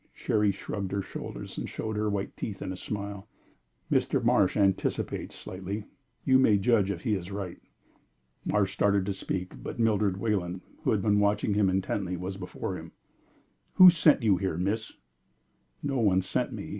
Cherry shrugged her shoulders and showed her white teeth in a smile. "Mr. Marsh anticipates slightly. You may judge if he is right." Marsh started to speak, but Mildred Wayland, who had been watching him intently, was before him. "Who sent you here, Miss?" "No one sent me.